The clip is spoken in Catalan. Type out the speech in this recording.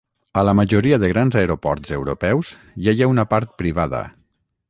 a la majoria de grans aeroports europeus ja hi ha una part privada